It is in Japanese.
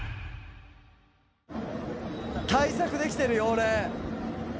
対策できてるよ俺。